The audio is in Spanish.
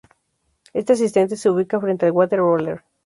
Este asistente se ubica frente al water-roller.